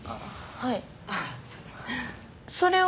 はい。